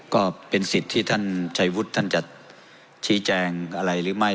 ก็เป็นสิทธิ์ที่ท่านชัยวุฒิท่านจะชี้แจงอะไรหรือไม่